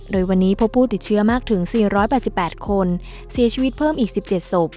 โดยวันนี้พบผู้ติดเชื้อมากถึง๔๘๘คนเสียชีวิตเพิ่มอีก๑๗ศพ